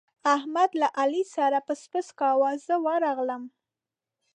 احمد له علي سره پسپسی کاوو، زه ورغلم.